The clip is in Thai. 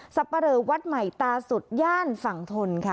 สับปะเริ่มวัดใหม่ตาสุดย่านฝั่งทน